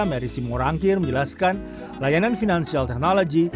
mary simo rangkir menjelaskan layanan finansial teknologi